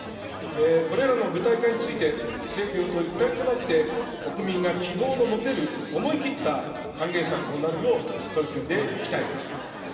これらの具体化について、政府・与党一体となって国民が希望の持てる思いきった還元策となるよう、取り組んでいきたい。